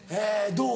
どう？